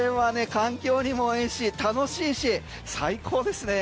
環境にもいいし楽しいし最高ですね。